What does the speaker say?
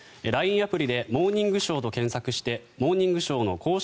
アプリで「モーニングショー」と検索して「モーニングショー」の公式